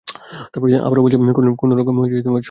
আবারো বলছি, কোনোরকম সংঘর্ষে জড়াবেন না।